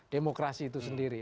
demokrasi itu sendiri